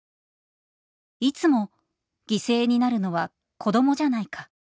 「いつも犠牲になるのは子どもじゃないか」